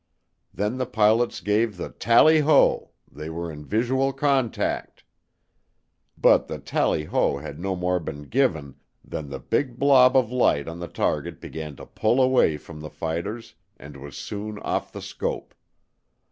Then the pilots gave the "Tally ho" they were in visual contact. But the "Tally ho" had no more been given than the big blob of light on the target began to pull away from the fighters and was soon off the scope.